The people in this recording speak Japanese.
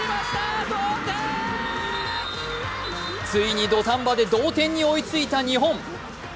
ついに土壇場でう追いついた日本。